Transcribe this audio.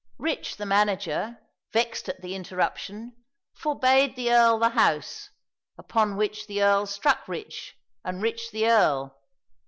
Rich the manager, vexed at the interruption, forbade the earl the house, upon which the earl struck Rich and Rich the earl.